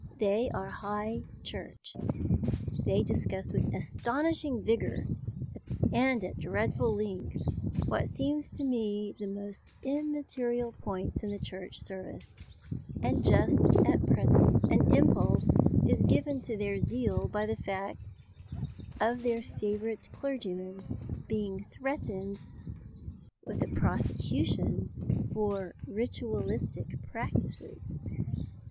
They are High Church. They discuss with astonishing vigour and at dreadful length what seems to me the most immaterial points in the Church service, and just at present an impulse is given to their zeal by the fact of their favourite clergyman being threatened with a prosecution for ritualistic practices.